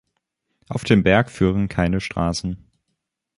Auf den Berg führen keine Straßen.